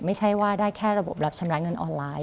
ไม่ใช่ว่าได้แค่ระบบรับชำระเงินออนไลน์